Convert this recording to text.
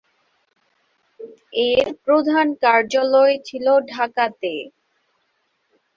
এর প্রধান কার্যালয় ছিল ঢাকাতে।